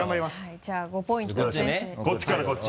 じゃあ５ポイント先取で。